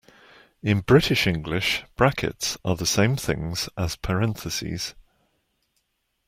In British English, brackets are the same things as parentheses